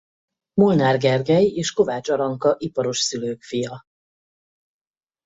Molnár Gergely és Kovács Aranka iparos szülők fia.